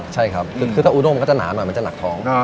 ใช่ครับคือถ้าอุดมมันก็จะหนาหน่อยมันจะหนักท้อง